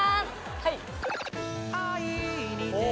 はい。